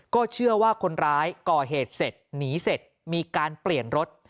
ก็เชื่อว่าคนร้ายก่อเหตุเสร็จหนีเสร็จมีการเปลี่ยนรถ